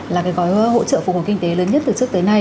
là cái gói hỗ trợ phục hồi kinh tế lớn nhất từ trước tới nay